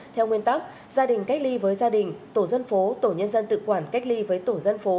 theo nguyên tắc gia đình cách ly với gia đình tổ dân phố tổ nhân dân tự quản cách ly với tổ dân phố